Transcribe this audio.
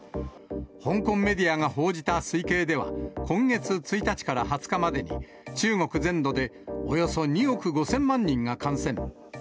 香港メディアが報じた推計では、今月１日から２０日までに中国全土でおよそ２億５０００万人が感染。